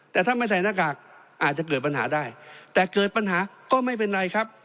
แต่ถ้าไม่ใส่หน้ากากอาจจะเกิดปัญหาได้แต่เกิดปัญหาก็ไม่เป็นไรครับ